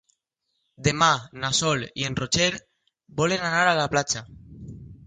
Demà na Sol i en Roger volen anar a la platja.